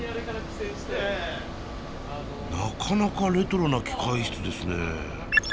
なかなかレトロな機械室ですねえ。